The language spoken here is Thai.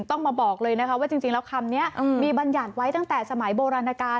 ต้องมาบอกเลยนะคะว่าจริงแล้วคำนี้มีบรรยัติไว้ตั้งแต่สมัยโบราณการ